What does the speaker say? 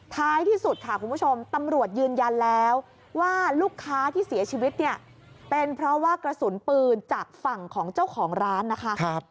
ท้ายที่สุดค่ะคุณผู้ชมตำรวจยืนยันแล้วว่าลูกค้าที่เสียชีวิตเนี่ยเป็นเพราะว่ากระสุนปืนจากฝั่งของเจ้าของร้านนะคะ